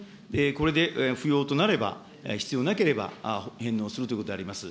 これで不要となれば、必要なければ返納するということであります。